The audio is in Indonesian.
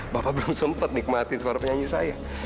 bapak belum sempat nikmatin suara penyanyi saya